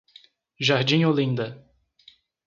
Jardim Olinda